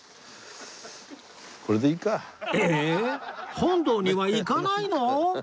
本堂には行かないの？